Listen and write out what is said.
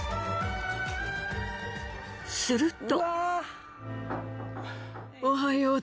すると。